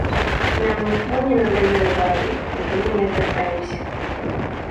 Нам ніхто не надае ўвагі, куды мы ні звяртаемся.